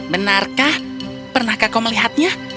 benarkah pernahkah kau melihatnya